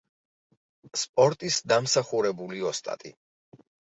სპორტის დამსახურებული ოსტატი.